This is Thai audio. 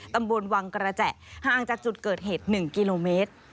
ตำบลวังกระแจห่างจากจุดเกิดเหตุ๑กิโลเมตร